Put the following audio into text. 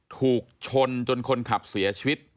ถูกชนจนคนขับเสียชีวิต